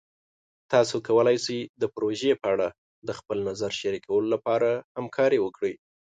تاسو کولی شئ د پروژې په اړه د خپل نظر شریکولو لپاره همکاري وکړئ.